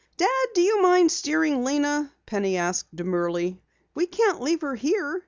"Dad, do you mind steering Lena?" Penny asked demurely. "We can't leave her here.